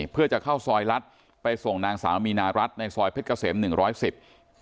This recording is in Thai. เพื่อจะเข้าซอยรัฐไปส่งนางสาวมีนารัฐในซอยเพชรเกษมหนึ่งร้อยสิบ